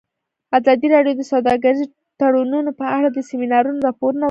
ازادي راډیو د سوداګریز تړونونه په اړه د سیمینارونو راپورونه ورکړي.